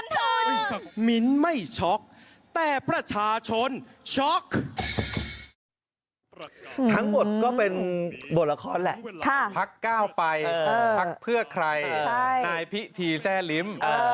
ทั้งหมดก็เป็นบทละครแหละพักก้าวไปพักเพื่อใครนายพิธีแทร่ลิ้ม